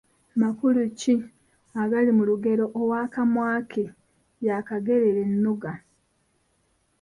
Makulu ki agali mu lugero ‘Ow’akamwa ke yakagerera ennoga'?